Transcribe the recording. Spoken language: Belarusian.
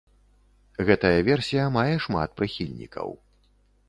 Гэтая версія мае шмат прыхільнікаў.